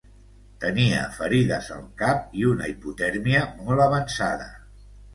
Tenia ferides al cap i una hipotèrmia molt avançada.